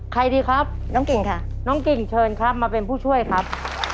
ดีครับน้องกิ่งค่ะน้องกิ่งเชิญครับมาเป็นผู้ช่วยครับ